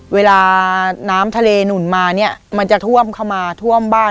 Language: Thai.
เวลาน้ำทะเลหนุนมาเนี่ยมันจะท่วมเข้ามาท่วมบ้าน